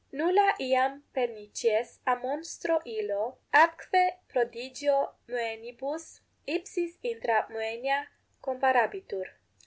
Nulla iam pernicies a monstro illo atque prodigio moenibus ipsis intra moenia comparabitur.